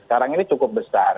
sekarang ini cukup besar